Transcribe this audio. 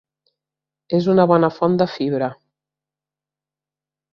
És una bona font de fibra.